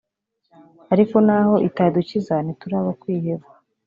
ariko n’aho itadukiza ntituri abo kwiheba